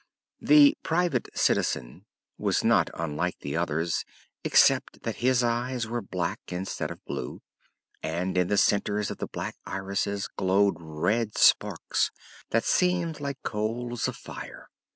The Private Citizen was not unlike the others, except that his eyes were black instead of blue and in the centers of the black irises glowed red sparks that seemed like coals of fire.